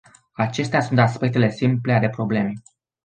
Acestea sunt aspectele simple ale problemei.